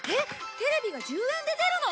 テレビが１０円で出るの！？